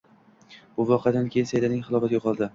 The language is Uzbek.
Bu voqeadan keyin Saidaning halovati yo`qoldi